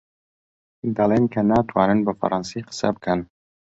دەڵێن کە ناتوانن بە فەڕەنسی قسە بکەن.